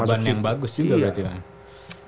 beban yang bagus juga berarti kan